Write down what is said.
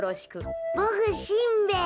ボクしんべヱ。